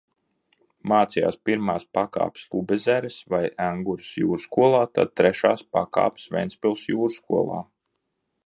Mācījās pirmās pakāpes Lubezeres vai Engures jūrskolā, tad trešās pakāpes Ventspils jūrskolā.